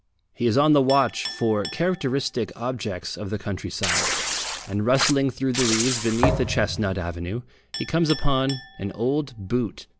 He is on the watch for characteristic objects of the countryside, and rustling through the leaves beneath a chestnut avenue he comes upon an old boot.